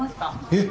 えっ！